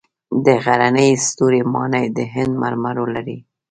د غزني ستوري ماڼۍ د هند مرمرو لري